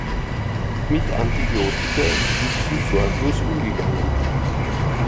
Mit Antibiotika wird zu sorglos umgegangen.